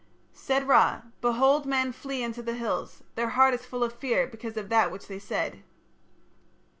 Said Ra: "Behold men flee unto the hills; their heart is full of fear because of that which they said."